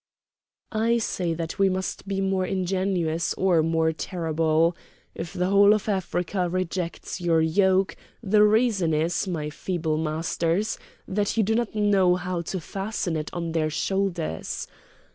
"I say that we must be more ingenious or more terrible! If the whole of Africa rejects your yoke the reason is, my feeble masters, that you do not know how to fasten it to her shoulders!